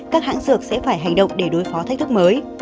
các hãng dược sẽ phải hành động để đối phó thách thức mới